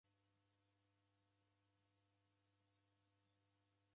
Si charo kilacha chingi.